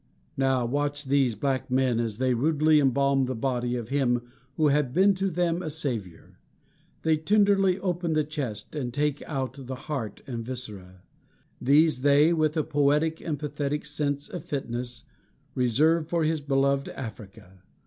Now watch these black men as they rudely embalm the body of him who had been to them a savior. They tenderly open the chest and take out the heart and viscera. These they, with a poetic and pathetic sense of fitness, reserve for his beloved Africa.